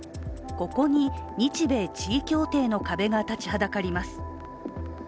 ここに日米地位協定の壁が立ちはだかります。